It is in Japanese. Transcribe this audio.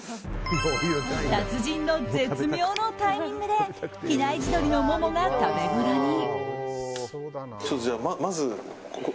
達人の絶妙のタイミングで比内地鶏のモモが食べごろに。